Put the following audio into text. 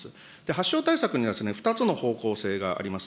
発症対策には２つの方向性があります。